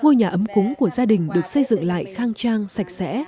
ngôi nhà ấm cúng của gia đình được xây dựng lại khang trang sạch sẽ